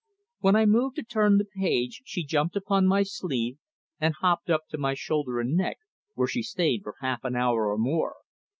When I moved to turn the page she jumped upon my sleeve and hopped up to my shoulder and neck, where she stayed for half an hour or more.